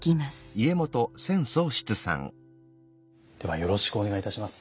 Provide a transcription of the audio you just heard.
ではよろしくお願いいたします。